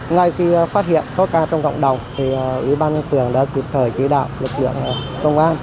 ngay khi phát hiện có ca trong cộng đồng ủy ban nhân phường đã kịp thời chỉ đạo lực lượng công an